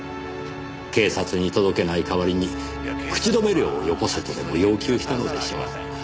警察に届けない代わりに口止め料をよこせとでも要求したのでしょう。